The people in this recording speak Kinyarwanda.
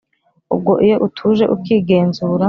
ubwo iyo utuje ukigenzura